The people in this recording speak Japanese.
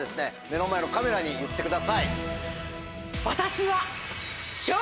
目の前のカメラに言ってください。